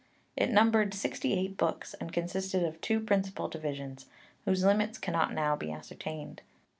It numbered sixty eight books, and consisted of two principal divisions, whose limits cannot now be ascertained.